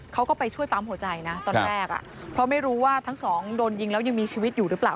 เขาก็ไปช่วยปั๊มหัวใจนะตอนแรกอ่ะเพราะไม่รู้ว่าทั้งสองโดนยิงแล้วยังมีชีวิตอยู่หรือเปล่า